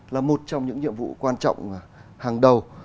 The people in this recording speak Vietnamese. là một trong những nhiệm vụ quan trọng hàng đầu